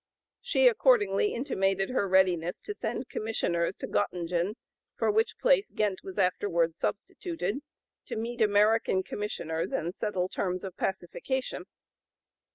She accordingly intimated her readiness to send Commissioners to Göttingen, for which place Ghent was afterwards substituted, to meet American Commissioners and settle terms of pacification.